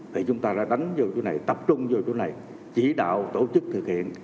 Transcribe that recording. thì chúng ta đã đánh vô chỗ này tập trung vô chỗ này chỉ đạo tổ chức thực hiện